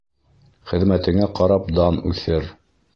Хеҙмәтеңә ҡарап дан үҫер.